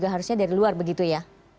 harusnya dari luar begitu ya